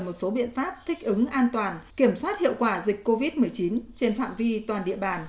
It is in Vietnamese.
một số biện pháp thích ứng an toàn kiểm soát hiệu quả dịch covid một mươi chín trên phạm vi toàn địa bàn